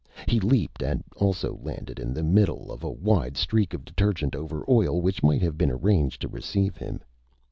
He leaped and also landed in the middle of the wide streak of detergent over oil which might have been arranged to receive him.